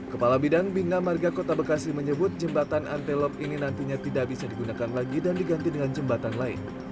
kepala bidang bina marga kota bekasi menyebut jembatan antelop ini nantinya tidak bisa digunakan lagi dan diganti dengan jembatan lain